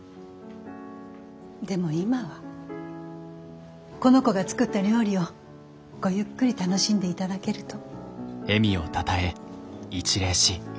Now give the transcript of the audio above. でも今はこの子が作った料理をごゆっくり楽しんでいただけると。